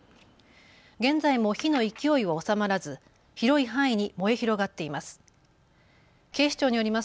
現在も火の勢いは収まらず広い範囲に燃え広がっています。